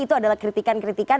itu adalah kritikan kritikan